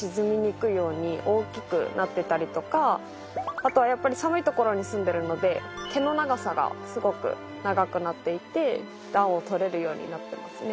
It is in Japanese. あとはやっぱり寒い所に住んでるので毛の長さがすごく長くなっていて暖をとれるようになってますね。